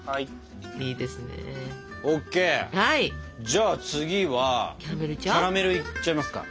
じゃあ次はキャラメルいっちゃいますか。